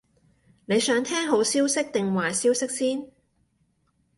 你想聽好消息定壞消息先？